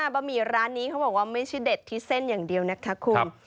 บะหมี่ร้านนี้เขาบอกว่าไม่ใช่เด็ดที่เส้นอย่างเดียวนะคะคุณ